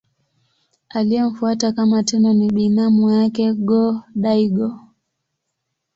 Aliyemfuata kama Tenno ni binamu yake Go-Daigo.